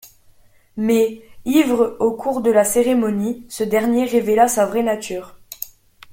Mais, ivre au cours de la cérémonie, ce dernier révéla sa vraie nature.